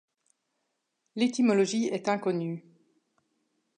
L'étymologie est inconnue.